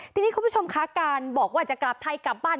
ทีนี้คุณผู้ชมคะการบอกว่าจะกลับไทยกลับบ้าน